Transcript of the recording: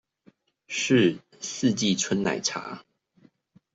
是四季春奶茶